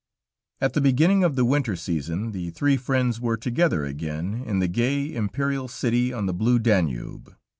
At the beginning of the winter season the three friends were together again in the gay, imperial city on the blue Danube.